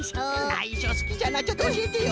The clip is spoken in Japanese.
ないしょすきじゃなちょっとおしえてよ。